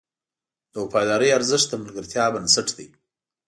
د وفادارۍ ارزښت د ملګرتیا بنسټ دی.